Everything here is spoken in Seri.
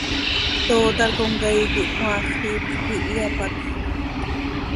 Tootar comcaii quih cmaax iipx quih iyapatjc.